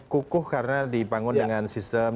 kukuh karena dibangun dengan sistem